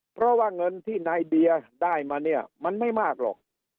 เพราะว่าเงินที่นายเดียได้มาเนี่ยมันไม่มากหรอก